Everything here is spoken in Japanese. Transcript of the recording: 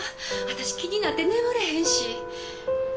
私気になって眠れへんし。